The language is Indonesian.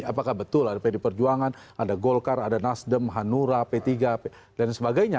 apakah betul ada pd perjuangan ada golkar ada nasdem hanura p tiga dan sebagainya